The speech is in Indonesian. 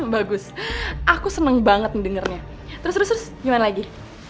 bagus aku seneng banget dengernya terus terus gimana lagi